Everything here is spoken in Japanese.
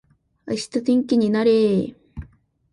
明日天気になれー